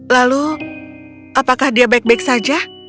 lalu apakah dia baik baik saja